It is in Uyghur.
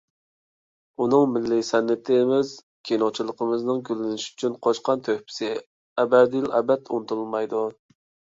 ئۇنىڭ مىللىي سەنئىتىمىز، كىنوچىلىقىمىزنىڭ گۈللىنىشى ئۈچۈن قوشقان تۆھپىسى ئەبەدىلئەبەد ئۇنتۇلمايدۇ.